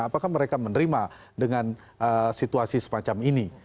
apakah mereka menerima dengan situasi semacam ini